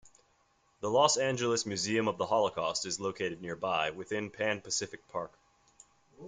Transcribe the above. The Los Angeles Museum of the Holocaust is located nearby, within Pan Pacific Park.